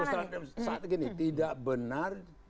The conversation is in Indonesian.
saat ini tidak benar